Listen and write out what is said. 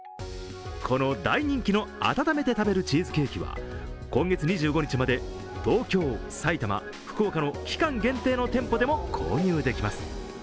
この大人気の温めて食べるチーズケーキは今月２５日まで東京、埼玉、福岡の期間限定の店舗でも購入できます。